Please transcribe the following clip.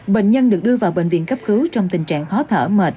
bệnh nhân được đưa vào bệnh viện cấp cứu trong tình trạng khó thở mệt